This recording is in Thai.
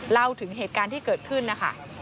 เล่าถึงเหตุการณ์ที่เกิดขึ้นนะคะ